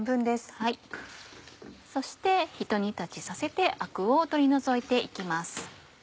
そしてひと煮立ちさせてアクを取り除いて行きます。